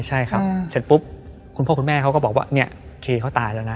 แต่ปุ๊บคุณพ่อคุณแม่เขาก็บอกว่าเนี่ยเคเขาตายแล้วนะ